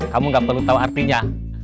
kamu gak perlu tahu artinya